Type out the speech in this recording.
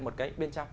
một cái bên trong